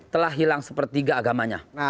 telah hilang sepertiga agamanya